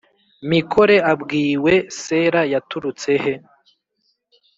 mikore abwiwe sera yaturutse he?